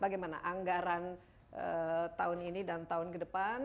bagaimana anggaran tahun ini dan tahun kedepan